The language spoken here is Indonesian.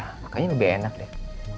kayaknya lebih enak deh